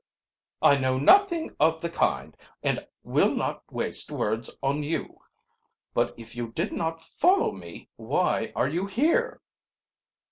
"I know nothing of the kind, and will not waste words on you. But if you did not follow me why are you here?"